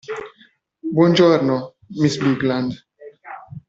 Buon giorno, miss Bigland.